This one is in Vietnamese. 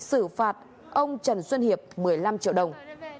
xử phạt ông trần xuân hiệp một mươi năm triệu đồng